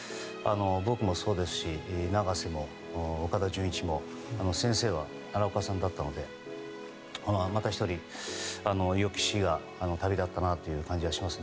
僕もそうですし長瀬も岡田准一も先生は奈良岡さんだったのでまた１人、良き師が旅立ったなという感じがします。